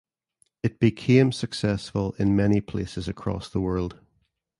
It became successful in many places across the world.